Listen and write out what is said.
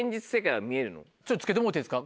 ちょっと着けてもろうていいですか？